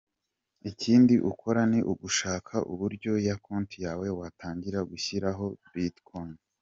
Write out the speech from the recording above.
Ikindi ukora ni ugushaka uburyo ya konti yawe watangira gushyiraho Bitcoins.